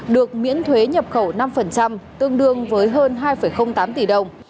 được miễn thuế nhập khẩu năm tương đương với hơn hai tám tỷ đồng